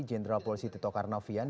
jenderal polisi tito karnavian